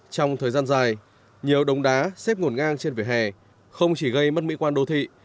trong thời gian dài nhiều đống đá xếp ngổn ngang trên vỉa hè không chỉ gây mất mỹ quan đô thị